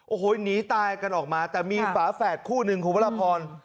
โอ้โหหนีตายกันออกมาแต่มีฝาแฝดคู่หนึ่งคุณพระราพร